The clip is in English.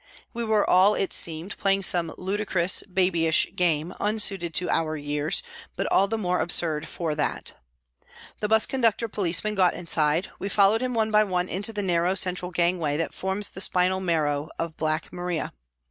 We were all, it seemed, playing some ludicrous, babyish game, unsuited to our years, but all the more absurd for that. The 'bus conductor policeman got inside ; we followed him one by one into the narrow central gangway that forms the spinal marrow of Black Maria.